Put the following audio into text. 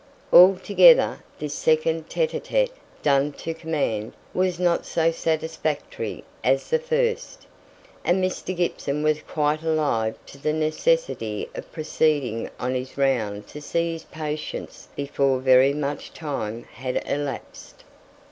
Altogether, this second tÉte ł tÉte, done to command, was not so satisfactory as the first; and Mr. Gibson was quite alive to the necessity of proceeding on his round to see his patients before very much time had elapsed.